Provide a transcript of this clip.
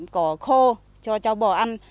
cỏ khô cho cho bò ăn